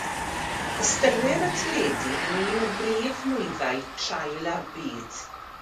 Ystyrir y teledu yn un o brif nwyddau traul y byd.